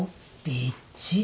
びっちり。